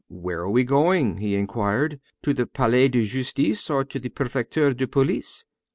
"Where are we going?" he inquired; "to the Palais de Justice, or to the Prefecture de Police?"